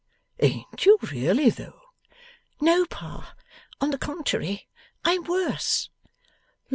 'Ain't you really though?' 'No, Pa. On the contrary, I am worse.